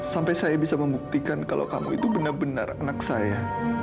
sampai saya bisa membuktikan kalau kamu itu benar benar anak saya